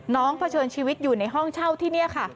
เผชิญชีวิตอยู่ในห้องเช่าที่นี่ค่ะ